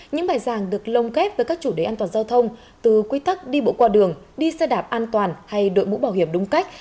những bài giảng được lồng kép với các chủ đề an toàn giao thông từ quy tắc đi bộ qua đường đi xe đạp an toàn hay đội mũ bảo hiểm đúng cách